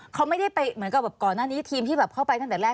เขาไม่ได้ไปเหมือนกับแบบก่อนหน้านี้ทีมที่แบบเข้าไปตั้งแต่แรก